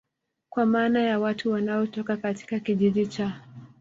kwa maana ya Watu wanaotoka katika Kijiji cha